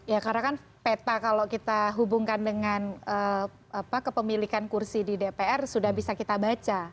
ya karena kan peta kalau kita hubungkan dengan kepemilikan kursi di dpr sudah bisa kita baca